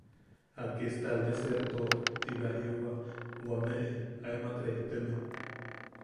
–Aquí está el desertor– Ti bea jiuwa wameʼe aemak rejteme.